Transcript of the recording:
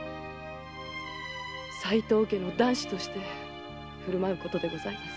齋藤家の男子として振る舞うことでございます。